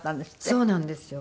そうなんですよ。